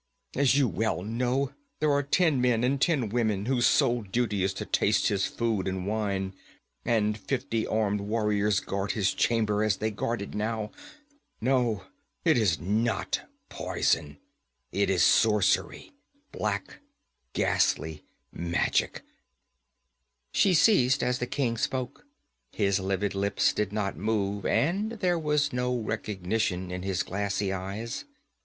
As you well know, there are ten men and ten women whose sole duty is to taste his food and wine, and fifty armed warriors guard his chamber as they guard it now. No, it is not poison; it is sorcery black, ghastly magic ' She ceased as the king spoke; his livid lips did not move, and there was no recognition in his glassy eyes.